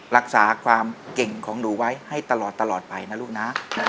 รักษาความเก่งของหนูไว้ให้ตลอดไปนะลูกนะ